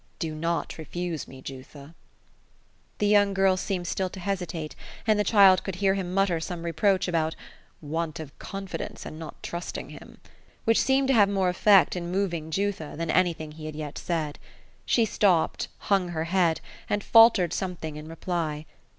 Do not refuse me, Jutha." The young girl seemed still to hesitate ; and the child could hear him mutter some reproach about ''want of confidence, and not trusting him;" which seemed to have more effect in moving Jutha than anything he had yet said. She stopped, hung her head, and faltered something in reply.